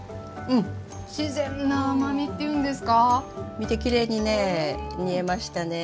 見てきれいにね煮えましたね。